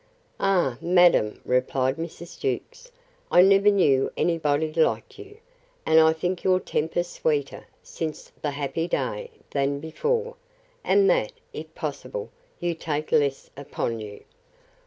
Ah, madam! replied Mrs. Jewkes, I never knew any body like you; and I think your temper sweeter, since the happy day, than before; and that, if possible, you take less upon you.